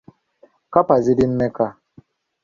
Kkapa ziri mmeka?